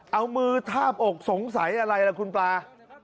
เอามือทาบอกสงสัยอะไรล่ะคุณปลา